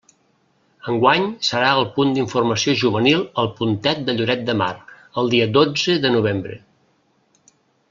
Enguany serà al Punt d'Informació Juvenil El Puntet de Lloret de Mar, el dia dotze de novembre.